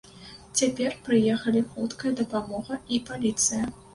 Цяпер прыехалі хуткая дапамога і паліцыя.